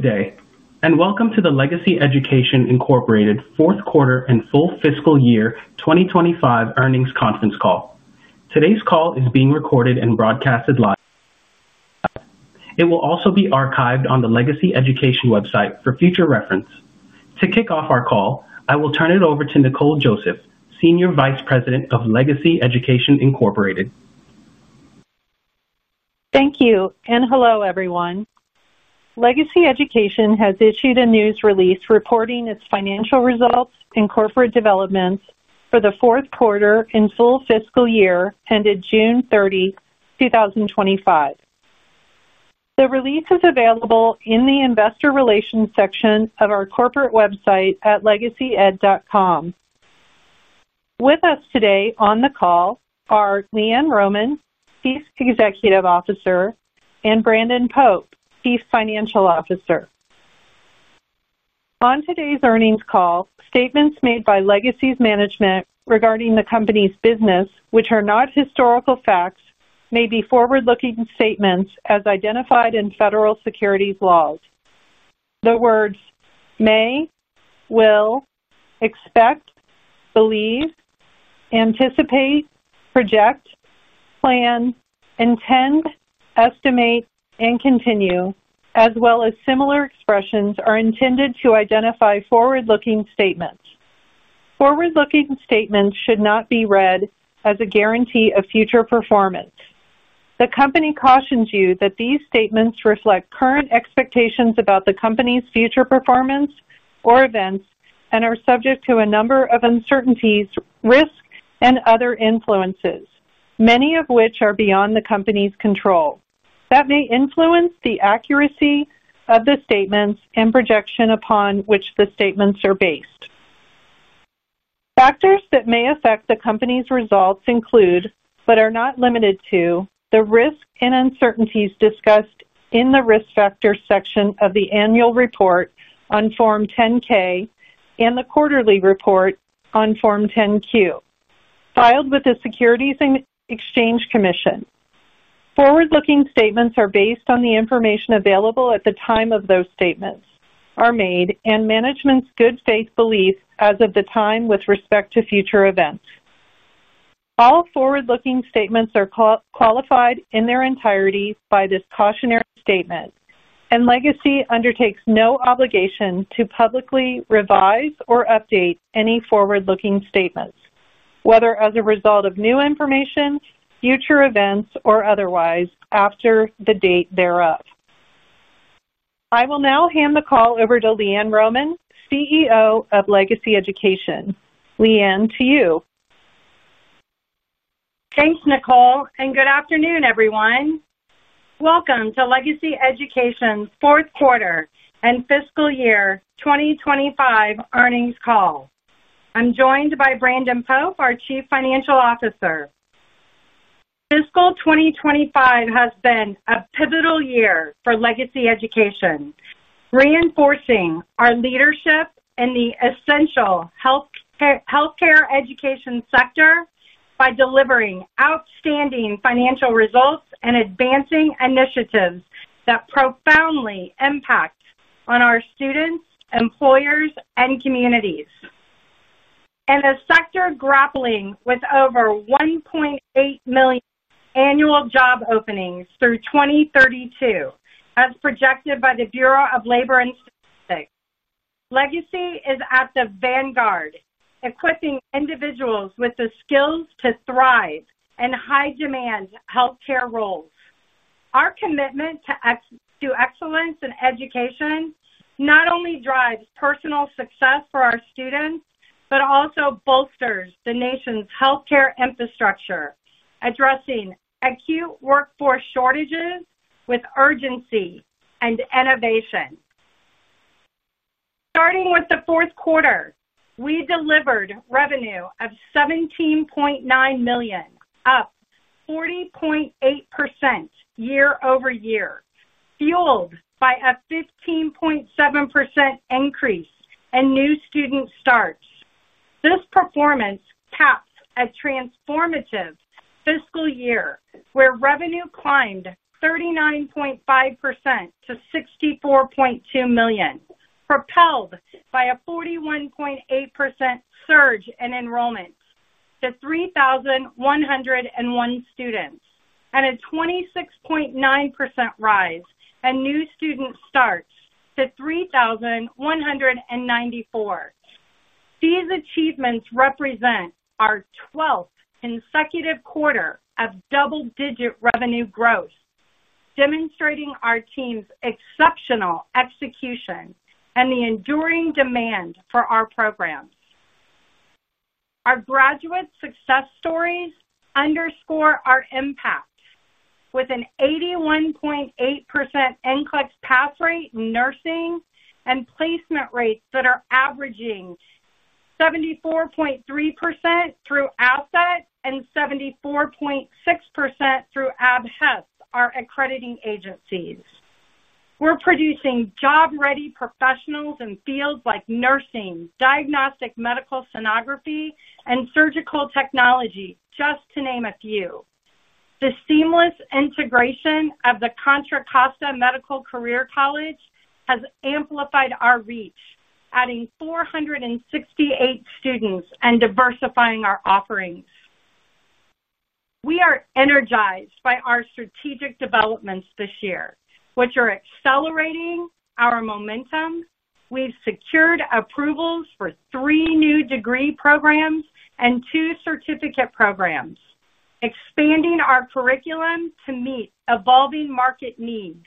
Good day, and welcome to the Legacy Education Inc. 4th Quarter and Full Fiscal Year 2025 Earnings Conference Call. Today's call is being recorded and broadcast live. It will also be archived on the Legacy Education website for future reference. To kick off our call, I will turn it over to Nicole Joseph, Senior Vice President of Legacy Education Inc. Thank you, and hello everyone. Legacy Education has issued a news release reporting its financial results and corporate developments for the 4th Quarter and Full Fiscal Year ended June 30, 2025. The release is available in the Investor Relations section of our corporate website at legacyed.com. With us today on the call are LeeAnn Rohmann, Chief Executive Officer, and Brandon Pope, Chief Financial Officer. On today's earnings call, statements made by Legacy's management regarding the company's business, which are not historical facts, may be forward-looking statements as identified in federal securities laws. The words "may," "will," "expect," "believe," "anticipate," "project," "plan," "intend," "estimate," and "continue," as well as similar expressions, are intended to identify forward-looking statements. Forward-looking statements should not be read as a guarantee of future performance. The company cautions you that these statements reflect current expectations about the company's future performance or events and are subject to a number of uncertainties, risks, and other influences, many of which are beyond the company's control. That may influence the accuracy of the statements and projection upon which the statements are based. Factors that may affect the company's results include, but are not limited to, the risk and uncertainties discussed in the Risk Factors section of the Annual Report on Form 10-K and the Quarterly Report on Form 10-Q, filed with the U.S. Securities and Exchange Commission. Forward-looking statements are based on the information available at the time those statements are made, and management's good faith belief as of the time with respect to future events. All forward-looking statements are qualified in their entirety by this cautionary statement, and Legacy undertakes no obligation to publicly revise or update any forward-looking statements, whether as a result of new information, future events, or otherwise after the date thereof. I will now hand the call over to LeeAnn Rohmann, CEO of Legacy Education. LeeAnn, to you. Thanks, Nicole, and good afternoon, everyone. Welcome to Legacy Education's 4th Quarter and Fiscal Year 2025 Earnings Call. I'm joined by Brandon Pope, our Chief Financial Officer. Fiscal 2025 has been a pivotal year for Legacy Education, reinforcing our leadership in the essential healthcare education sector by delivering outstanding financial results and advancing initiatives that profoundly impact our students, employers, and communities. In a sector grappling with over 1.8 million annual job openings through 2032, as projected by the Bureau of Labor and Statistics, Legacy is at the vanguard, equipping individuals with the skills to thrive in high-demand healthcare roles. Our commitment to excellence in education not only drives personal success for our students but also bolsters the nation's healthcare infrastructure, addressing acute workforce shortages with urgency and innovation. Starting with the 4th Quarter, we delivered revenue of $17.9 million, up 40.8% year-over-year, fueled by a 15.7% increase in new student starts. This performance caps a transformative fiscal year where revenue climbed 39.5% to $64.2 million, propelled by a 41.8% surge in enrollments to 3,101 students and a 26.9% rise in new student starts to 3,194. These achievements represent our 12th consecutive quarter of double-digit revenue growth, demonstrating our team's exceptional execution and the enduring demand for our programs. Our graduate success stories underscore our impact, with an 81.8% NCLEX pass rate in nursing and placement rates that are averaging 74.3% through AHHS and 74.6% through ABHES, our accrediting agencies. We're producing job-ready professionals in fields like nursing, diagnostic medical sonography, and surgical technology, just to name a few. The seamless integration of the Contra Costa Medical Career College has amplified our reach, adding 468 students and diversifying our offerings. We are energized by our strategic developments this year, which are accelerating our momentum. We've secured approvals for three new degree programs and two certificate programs, expanding our curriculum to meet evolving market needs.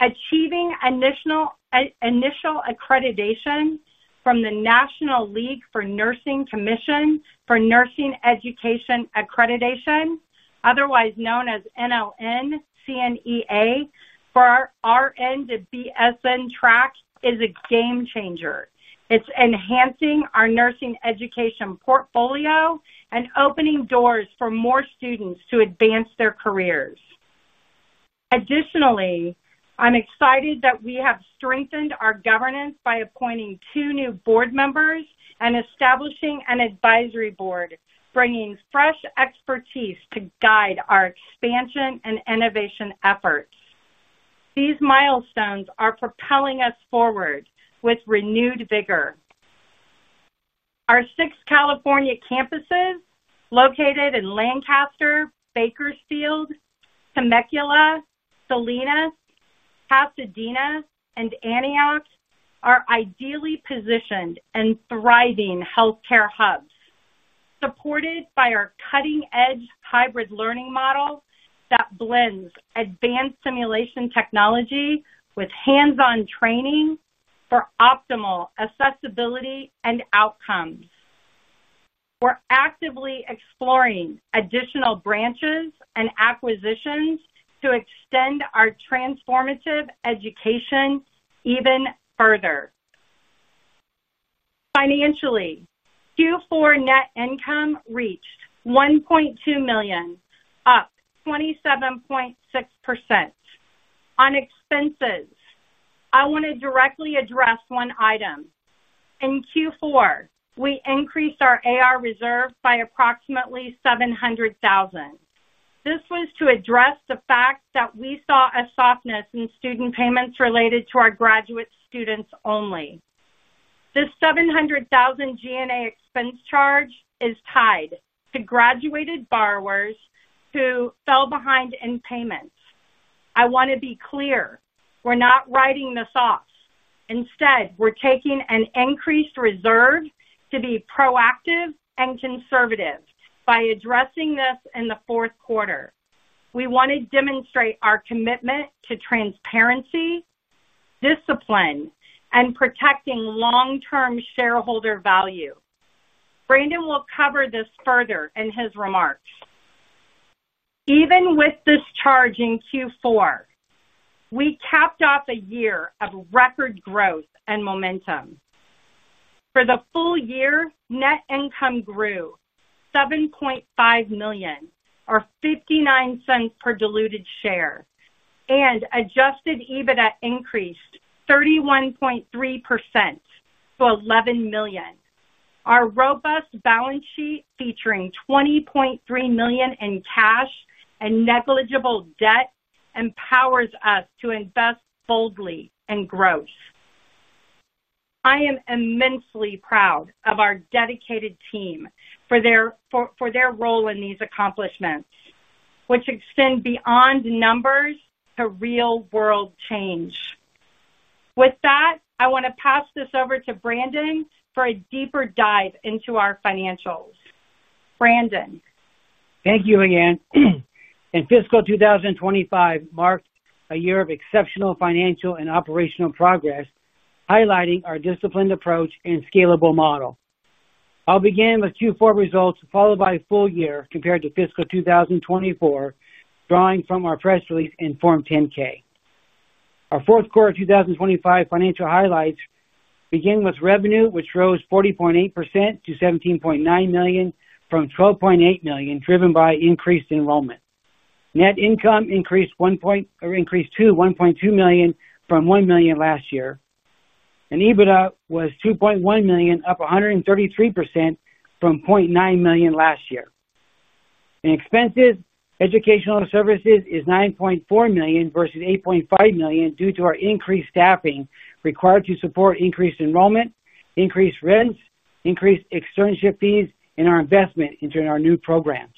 Achieving initial accreditation from the National League for Nursing Commission for Nursing Education Accreditation, otherwise known as NLN-CNEA for our RN to BSN track, is a game-changer. It's enhancing our nursing education portfolio and opening doors for more students to advance their careers. Additionally, I'm excited that we have strengthened our governance by appointing two new board members and establishing an advisory board, bringing fresh expertise to guide our expansion and innovation efforts. These milestones are propelling us forward with renewed vigor. Our six California campuses, located in Lancaster, Bakersfield, Temecula, Salinas, Pasadena, and Antioch, are ideally positioned in thriving healthcare hubs, supported by our cutting-edge hybrid learning model that blends advanced simulation technology with hands-on training for optimal accessibility and outcomes. We're actively exploring additional branches and acquisitions to extend our transformative education even further. Financially, Q4 net income reached $1.2 million, up 27.6%. On expenses, I want to directly address one item. In Q4, we increased our accounts receivable reserve by approximately $700,000. This was to address the fact that we saw a softness in student payments related to our graduate students only. The $700,000 G&A expense charge is tied to graduated borrowers who fell behind in payments. I want to be clear: we're not writing this off. Instead, we're taking an increased reserve to be proactive and conservative by addressing this in the 4th Quarter. We want to demonstrate our commitment to transparency, discipline, and protecting long-term shareholder value. Brandon will cover this further in his remarks. Even with this charge in Q4, we capped off a year of record growth and momentum. For the full year, net income grew $7.5 million, or $0.59 per diluted share, and adjusted EBITDA increased 31.3% to $11 million. Our robust balance sheet, featuring $20.3 million in cash and negligible debt, empowers us to invest boldly in growth. I am immensely proud of our dedicated team for their role in these accomplishments, which extend beyond numbers to real-world change. With that, I want to pass this over to Brandon for a deeper dive into our financials. Brandon? Thank you, LeeAnn. Fiscal 2025 marked a year of exceptional financial and operational progress, highlighting our disciplined approach and scalable model. I'll begin with Q4 results followed by a full year compared to fiscal 2024, drawing from our press release in Form 10-K. Our 4th Quarter 2025 financial highlights begin with revenue, which rose 40.8% to $17.9 million from $12.8 million, driven by increased enrollment. Net income increased $1.2 million from $1 million last year, and EBITDA was $2.1 million, up 133% from $0.9 million last year. In expenses, educational services is $9.4 million versus $8.5 million due to our increased staffing required to support increased enrollment, increased rent, increased externship fees, and our investment into our new programs.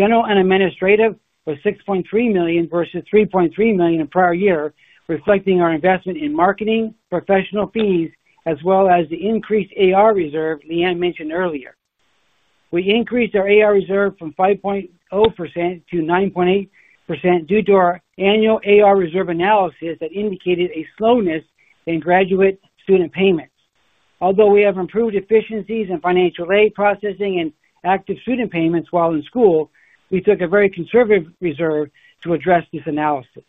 General and administrative was $6.3 million versus $3.3 million in prior year, reflecting our investment in marketing, professional fees, as well as the increased accounts receivable reserve LeeAnn mentioned earlier. We increased our accounts receivable reserve from 5.0% to 9.8% due to our annual accounts receivable reserve analysis that indicated a slowness in graduate student payments. Although we have improved efficiencies in financial aid processing and active student payments while in school, we took a very conservative reserve to address this analysis.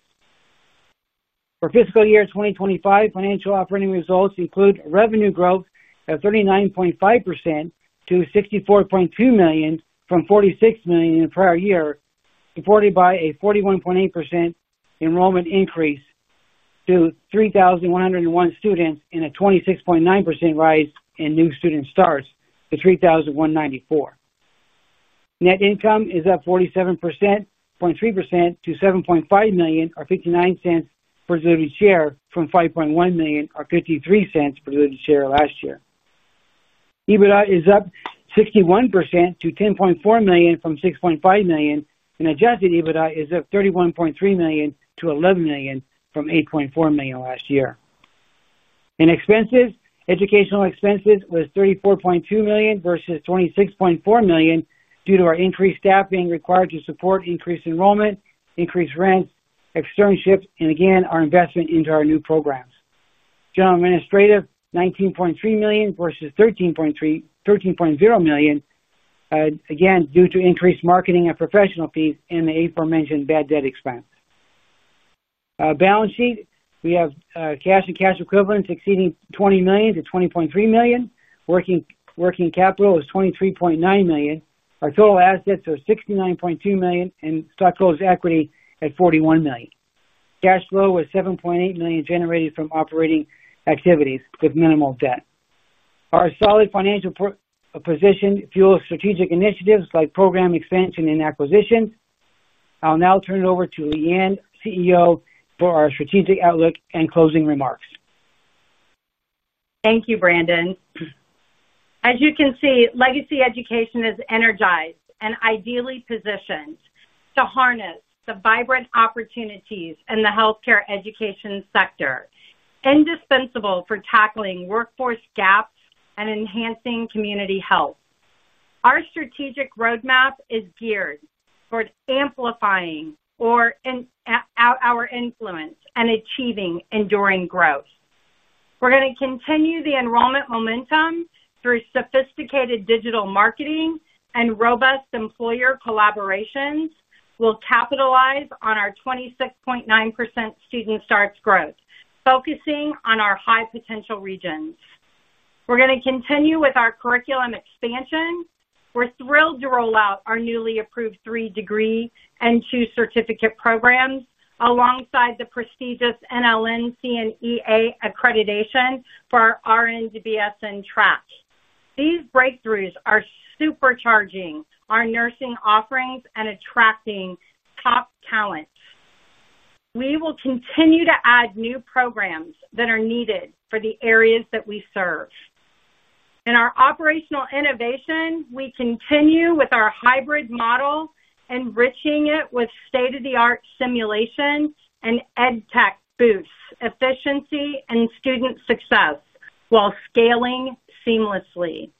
For fiscal year 2025, financial operating results include revenue growth of 39.5% to $64.2 million from $46 million in the prior year, supported by a 41.8% enrollment increase to 3,101 students and a 26.9% rise in new student starts to 3,194. Net income is up 47.3% to $7.5 million, or $0.59 per diluted share, from $5.1 million, or $0.53 per diluted share last year. EBITDA is up 61% to $10.4 million from $6.5 million, and adjusted EBITDA is up 31.3% to $11 million from $8.4 million last year. In expenses, educational expenses was $34.2 million versus $26.4 million due to our increased staffing required to support increased enrollment, increased rent, externships, and again, our investment into our new programs. General and administrative $19.3 million versus $13.0 million, again due to increased marketing and professional fees and the aforementioned bad debt expense. Balance sheet, we have cash and cash equivalents exceeding $20 million to $20.3 million. Working capital was $23.9 million. Our total assets were $69.2 million and stockholders' equity at $41 million. Cash flow was $7.8 million generated from operating activities with minimal debt. Our solid financial position fuels strategic initiatives like program expansion and acquisition. I'll now turn it over to LeeAnn, CEO, for our strategic outlook and closing remarks. Thank you, Brandon. As you can see, Legacy Education is energized and ideally positioned to harness the vibrant opportunities in the healthcare education sector, indispensable for tackling workforce gaps and enhancing community health. Our strategic roadmap is geared toward amplifying our influence and achieving enduring growth. We're going to continue the enrollment momentum through sophisticated digital marketing and robust employer collaborations. We'll capitalize on our 26.9% student starts growth, focusing on our high-potential regions. We're going to continue with our curriculum expansion. We're thrilled to roll out our newly approved three degree and two certificate programs alongside the prestigious NLN-CNEA accreditation for our RN to BSN track. These breakthroughs are supercharging our nursing offerings and attracting top talent. We will continue to add new programs that are needed for the areas that we serve. In our operational innovation, we continue with our hybrid learning model, enriching it with state-of-the-art simulation and edtech, which boosts efficiency and student success while scaling seamlessly.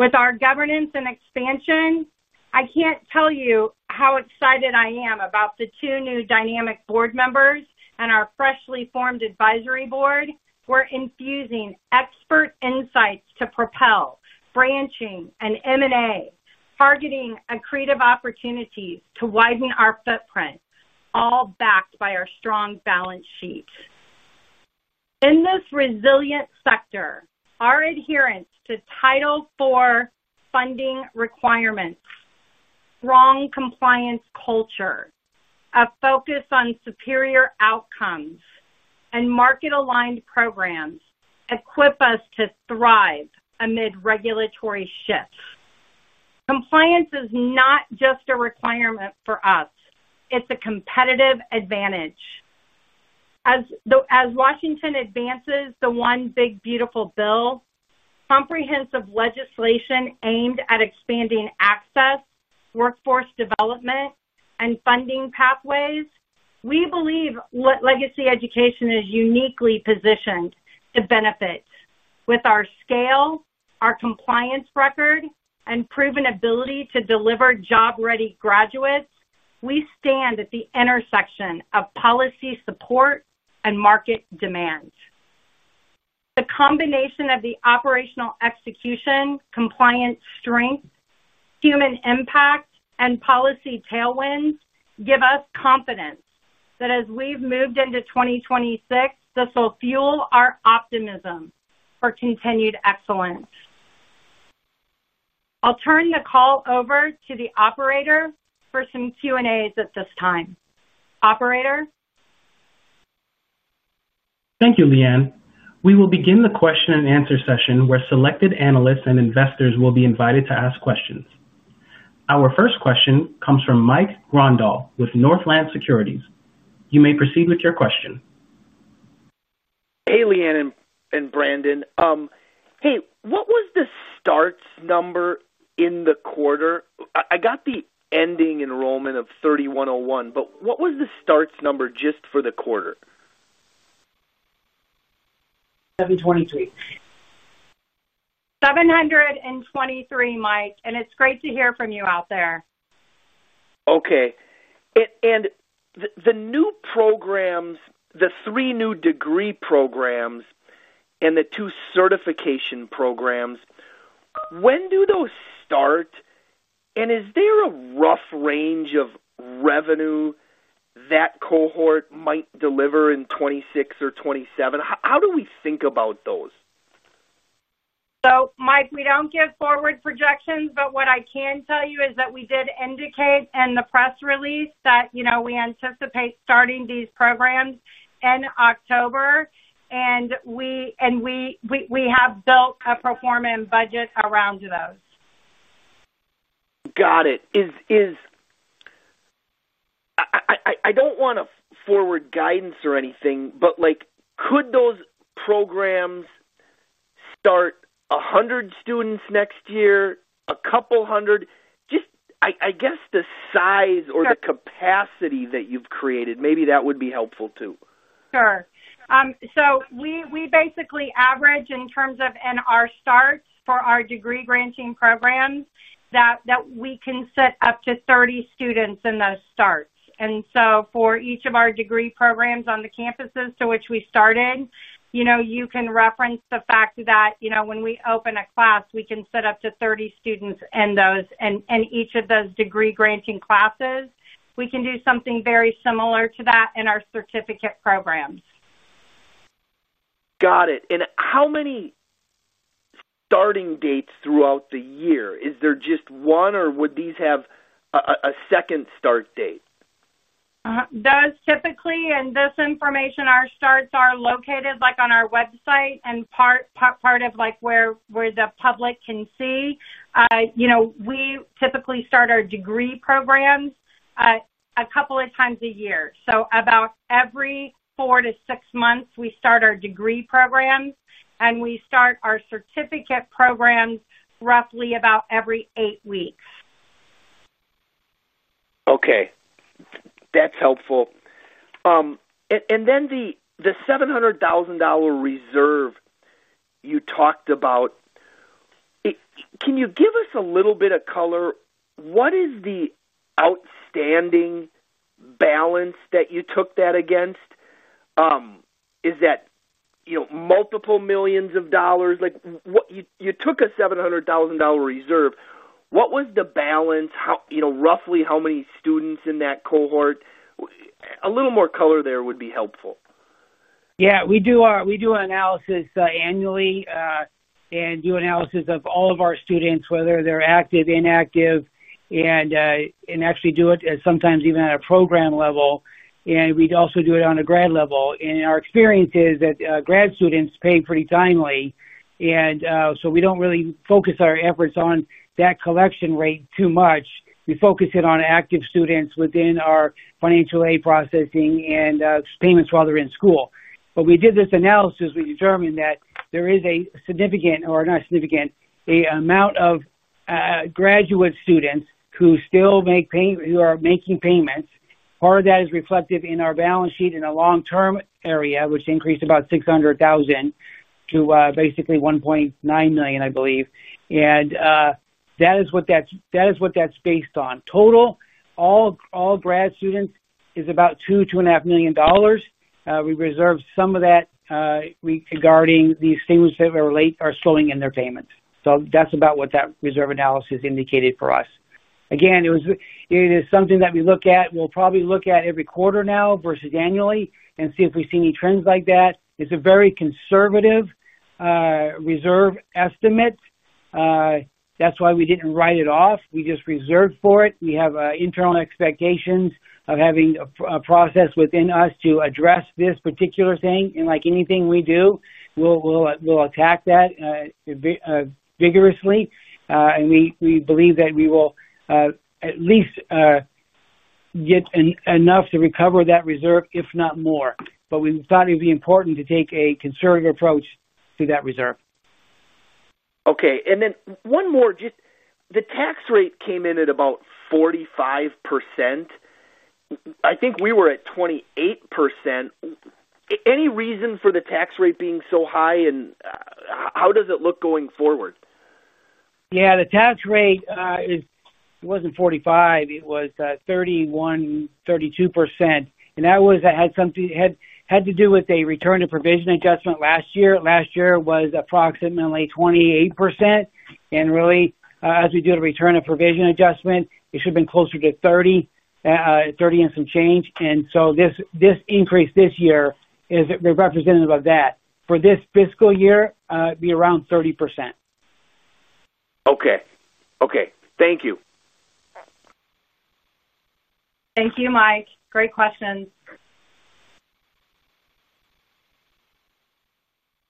With our governance and expansion, I can't tell you how excited I am about the two new dynamic board members and our freshly formed advisory board. We're infusing expert insights to propel branching and M&A activity, targeting a creative opportunity to widen our footprint, all backed by our strong balance sheet. In this resilient sector, our adherence to Title IV funding requirements, strong compliance culture, a focus on superior outcomes, and market-aligned programs equip us to thrive amid regulatory shifts. Compliance is not just a requirement for us; it's a competitive advantage. As Washington advances the one big, beautiful bill, comprehensive legislation aimed at expanding access, workforce development, and funding pathways, we believe Legacy Education is uniquely positioned to benefit. With our scale, our compliance record, and proven ability to deliver job-ready graduates, we stand at the intersection of policy support and market demand. The combination of the operational execution, compliance strength, human impact, and policy tailwinds gives us confidence that as we've moved into 2026, this will fuel our optimism for continued excellence. I'll turn the call over to the operator for some Q&As at this time. Operator? Thank you, LeeAnn. We will begin the question and answer session where selected analysts and investors will be invited to ask questions. Our first question comes from Mike Grondahl with Northland Security. You may proceed with your question. Hey, LeeAnn and Brandon. What was the starts number in the quarter? I got the ending enrollment of $31.01, but what was the starts number just for the quarter? 723. 723, Mike, and it's great to hear from you out there. Okay. The new programs, the three new degree programs and the two certification programs, when do those start? Is there a rough range of revenue that cohort might deliver in 2026 or 2027? How do we think about those? Mike, we don't give forward projections, but what I can tell you is that we did indicate in the press release that, you know, we anticipate starting these programs in October, and we have built a performing budget around those. Got it. I don't want to forward guidance or anything, but like, could those programs start 100 students next year, a couple hundred? Just, I guess the size or the capacity that you've created, maybe that would be helpful too. Sure. We basically average in terms of our starts for our degree-granting programs that we can set up to 30 students in those starts. For each of our degree programs on the campuses to which we started, you can reference the fact that when we open a class, we can set up to 30 students in those, and each of those degree-granting classes, we can do something very similar to that in our certificate programs. Got it. How many starting dates throughout the year? Is there just one, or would these have a second start date? This information, our starts are located on our website and part of where the public can see. We typically start our degree programs a couple of times a year. About every four to six months, we start our degree programs, and we start our certificate programs roughly about every eight weeks. Okay. That's helpful. The $700,000 reserve you talked about, can you give us a little bit of color? What is the outstanding balance that you took that against? Is that, you know, multiple millions of dollars? You took a $700,000 reserve. What was the balance? You know, roughly how many students in that cohort? A little more color there would be helpful. Yeah, we do our analysis annually and do analysis of all of our students, whether they're active, inactive, and actually do it sometimes even at a program level. We'd also do it on a grad level. Our experience is that grad students pay pretty timely, so we don't really focus our efforts on that collection rate too much. We focus it on active students within our financial aid processing and payments while they're in school. We did this analysis and determined that there is a significant, or not significant, amount of graduate students who still make payments, who are making payments. Part of that is reflected in our balance sheet in a long-term area, which increased about $600,000 to basically $1.9 million, I believe. That is what that's based on. Total, all grad students is about $2 to $2.5 million. We reserve some of that regarding the students that are late or slowing in their payments. That's about what that reserve analysis indicated for us. Again, it is something that we look at. We'll probably look at every quarter now versus annually and see if we see any trends like that. It's a very conservative reserve estimate. That's why we didn't write it off. We just reserved for it. We have internal expectations of having a process within us to address this particular thing. Like anything we do, we'll attack that vigorously. We believe that we will at least get enough to recover that reserve, if not more. We thought it would be important to take a conservative approach to that reserve. Okay. One more, just the tax rate came in at about 45%. I think we were at 28%. Any reason for the tax rate being so high, and how does it look going forward? Yeah, the tax rate wasn't 45. It was 31, 32%. That had something to do with a return to provision adjustment last year. Last year was approximately 28%. Really, as we do a return to provision adjustment, it should have been closer to 30, 30 and some change. This increase this year is representative of that. For this fiscal year, it'd be around 30%. Okay. Thank you. Thank you, Mike. Great questions.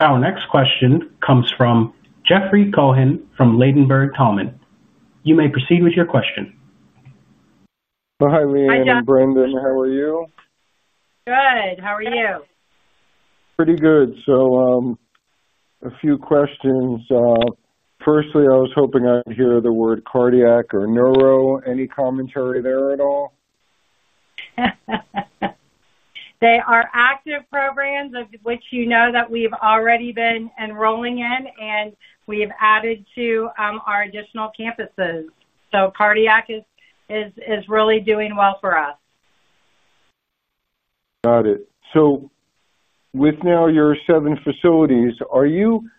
Our next question comes from Jeffrey Cohen from Ladenburg Thalmann. You may proceed with your question. Hi, LeeAnn. I'm Brandon. How are you? Good. How are you? Pretty good. A few questions. Firstly, I was hoping I'd hear the word cardiac or neuro. Any commentary there at all? They are active programs which you know that we've already been enrolling in, and we have added to our additional campuses. Cardiac is really doing well for us. Got it. With your seven facilities now, are you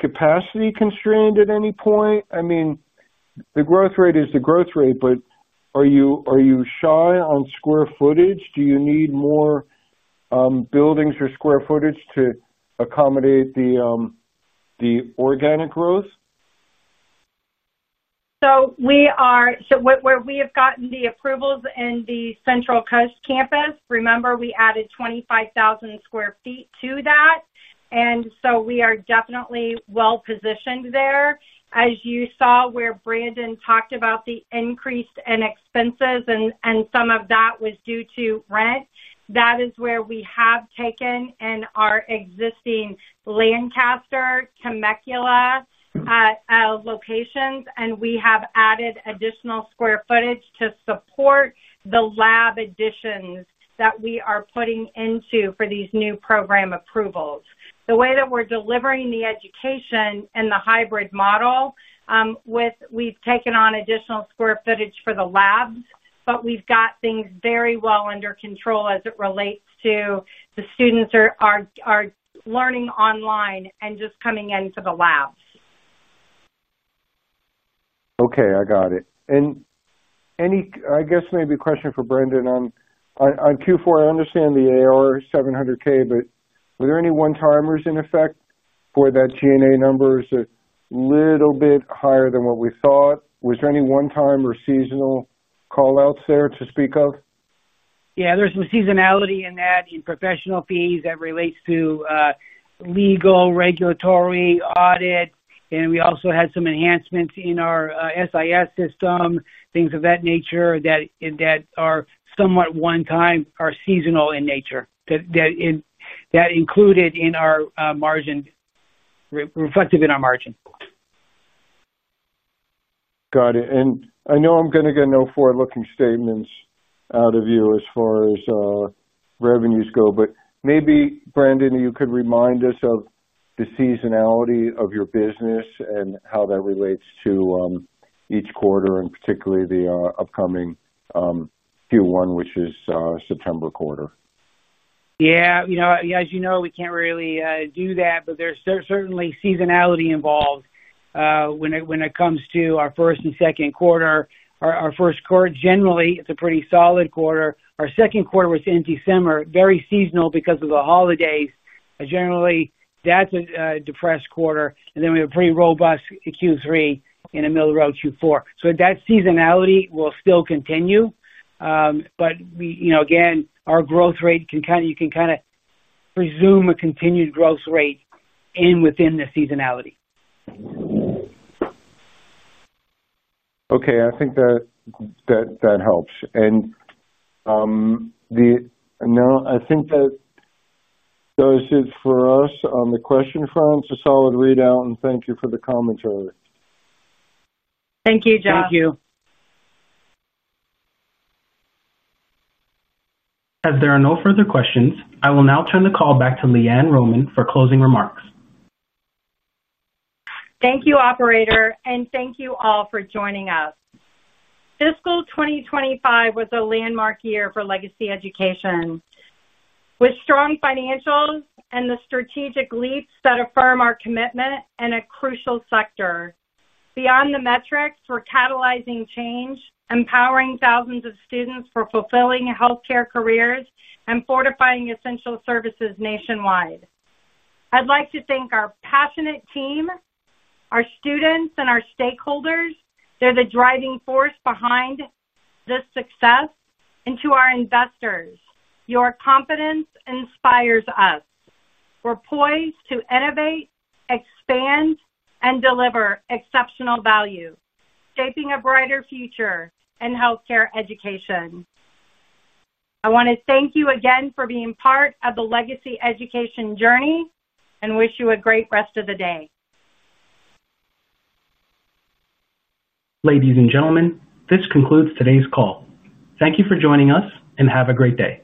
capacity-constrained at any point? I mean, the growth rate is the growth rate, but are you shy on square footage? Do you need more buildings or square footage to accommodate the organic growth? We have gotten the approvals in the Central Coast campus. Remember we added 25,000 square feet to that, and we are definitely well-positioned there. As you saw where Brandon talked about the increase in expenses, and some of that was due to rent, that is where we have taken in our existing Lancaster and Temecula locations, and we have added additional square footage to support the lab additions that we are putting into for these new program approvals. The way that we're delivering the education in the hybrid learning model, we've taken on additional square footage for the labs, but we've got things very well under control as it relates to the students learning online and just coming into the labs. Okay. I got it. Any, I guess maybe a question for Brandon on Q4. I understand the AR $700,000, but were there any one-timers in effect for that G&A number? It was a little bit higher than what we thought. Was there any one-time or seasonal callouts there to speak of? Yeah, there's some seasonality in that in professional fees that relates to legal, regulatory, audit. We also had some enhancements in our SIS system, things of that nature that are somewhat one-time or seasonal in nature. That included in our margin, reflected in our margin. Got it. I know I'm going to get no forward-looking statements out of you as far as revenues go, but maybe, Brandon, you could remind us of the seasonality of your business and how that relates to each quarter and particularly the upcoming Q1, which is the September quarter. Yeah, as you know, we can't really do that, but there's certainly seasonality involved when it comes to our first and second quarter. Our first quarter, generally, it's a pretty solid quarter. Our second quarter was in December, very seasonal because of the holidays. Generally, that's a depressed quarter. We have a pretty robust Q3 in the middle of Q4. That seasonality will still continue, but our growth rate can kind of, you can kind of presume a continued growth rate within the seasonality. Okay. I think that helps. I think that does it for us on the question front. It's a solid readout, and thank you for the commentary. Thank you, John. Thank you. As there are no further questions, I will now turn the call back to LeeAnn Rohmann for closing remarks. Thank you, Operator, and thank you all for joining us. Fiscal 2025 was a landmark year for Legacy Education Inc. With strong financials and the strategic leaps that affirm our commitment in a crucial sector, we're catalyzing change, empowering thousands of students for fulfilling healthcare careers, and fortifying essential services nationwide. I'd like to thank our passionate team, our students, and our stakeholders. They're the driving force behind this success. To our investors, your competence inspires us. We're poised to innovate, expand, and deliver exceptional value, shaping a brighter future in healthcare education. I want to thank you again for being part of the Legacy Education Inc. journey and wish you a great rest of the day. Ladies and gentlemen, this concludes today's call. Thank you for joining us, and have a great day.